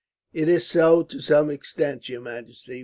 "'It is so to some extent, your majesty.